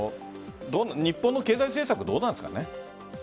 日本の経済政策どうですか。